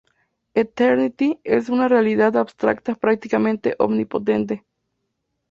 Eternity es una realidad abstracta prácticamente omnipotente.